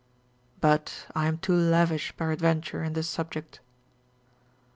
But I am too lavish peradventure in this subject.